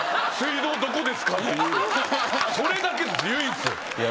それだけです唯一。